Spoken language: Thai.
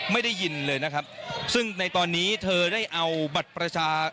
ได้ยินเลยนะครับซึ่งในตอนนี้เธอได้เอาบัตรประชาชน